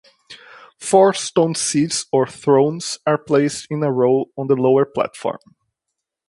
Four stone seats or "thrones" are placed in a row on the lower platform.